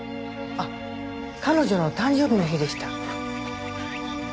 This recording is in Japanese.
あっ彼女の誕生日の日でした。